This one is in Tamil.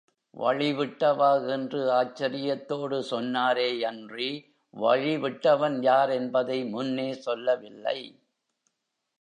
வழிவிட்டவா என்று ஆச்சரியத்தோடு சொன்னாரேயன்றி வழி விட்டவன் யார் என்பதை முன்னே சொல்லவில்லை.